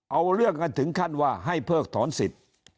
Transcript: เอาเรื่องกันถึงขั้นว่าให้เพิกถอนสิทธิ์